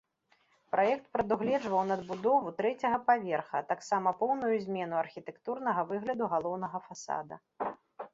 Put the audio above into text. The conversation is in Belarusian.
Праект прадугледжваў надбудову трэцяга паверха, а таксама поўную змену архітэктурнага выгляду галоўнага фасада.